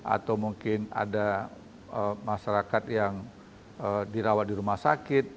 atau mungkin ada masyarakat yang dirawat di rumah sakit